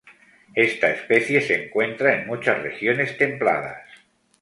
Estas especies se encuentra en muchas regiones templadas.